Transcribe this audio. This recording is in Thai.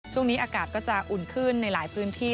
ช่วงนี้อากาศก็จะอุ่นขึ้นในหลายพื้นที่